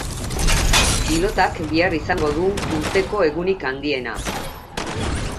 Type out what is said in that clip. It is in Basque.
Pilotak bihar izango du urteko egunik handiena.